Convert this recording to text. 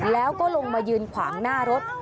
แล้วก็ลงมายืนขวางหน้ารถ